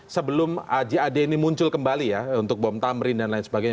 sebelum jad ini muncul kembali ya untuk bom tamrin dan lain sebagainya